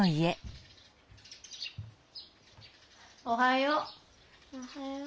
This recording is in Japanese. おはよう。